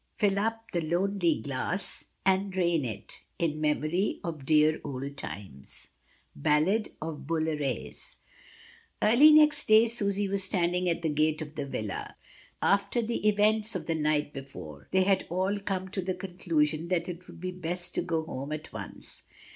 Fill up the lonely glass and drain it, In memory of dear old times. Ballad of Bouillabaisse. Early next day Susy was standing at the gate of the villa. After the events of the night befcHie, they had all come to the conclusion that it would be best to go home at once.